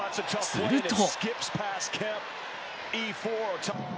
すると。